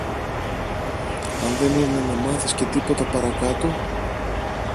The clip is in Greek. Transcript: αν δεν είναι να μάθεις και τίποτα παρακάτω;